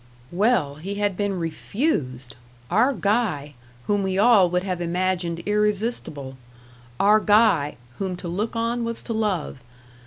Well, he had been refused! our Guy, whom we all would have imagined irresistible our Guy, "whom to look on was to love."